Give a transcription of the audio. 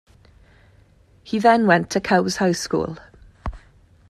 He then went to Cowes High School.